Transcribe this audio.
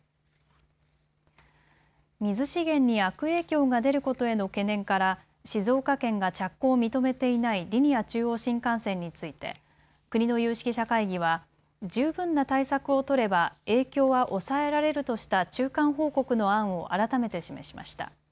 水資源に悪影響が出ることへの懸念から静岡県が着工を認めていないリニア中央新幹線について国の有識者会議は十分な対策を取れば影響は抑えられるとした中間報告の案を改めて示しました。